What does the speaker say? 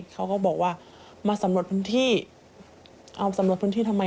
เขาก็บอกว่ามาสำรวจพื้นที่เอาสำรวจพื้นที่ทำไม